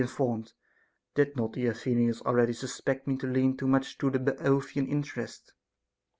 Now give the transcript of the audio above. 37b> informed, did not the Athenians already suspect me to lean too much to the Boeotian interest.